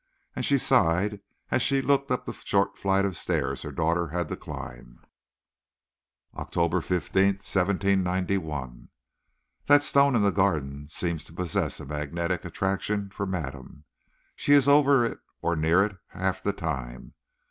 And she sighed as she looked up the short flight of stairs her daughter had to climb. OCTOBER 15, 1791. That stone in the garden seems to possess a magnetic attraction for madame. She is over it or near it half the time.